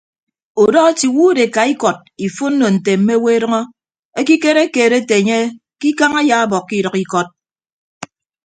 Udọ etiiwuud eka ikọd ifonno nte mme owo edʌñọ ekikere keed ete enye ke ikañ ayaabọkkọ idʌk ikọd.